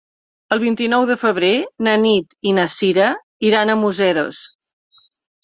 El vint-i-nou de febrer na Nit i na Cira iran a Museros.